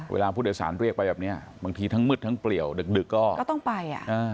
เวลาผู้โดยสารเรียกไปแบบนี้บางทีทั้งมืดทั้งเปลี่ยวดึกก็ต้องไป